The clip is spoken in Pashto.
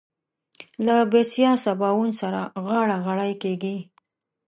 له بسيا سباوون سره غاړه غړۍ کېږي.